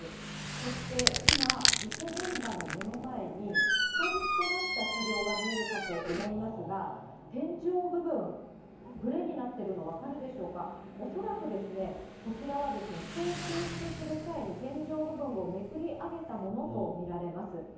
そして今、事故現場の目の前に下敷きとなった車両が見えるかと思いますが、天井部分、グレーになっているの、分かるでしょうか、恐らくですね、こちらは人を救出する際に、天井部分をめくりあげたものと見られます。